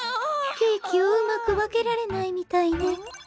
ケーキをうまくわけられないみたいね。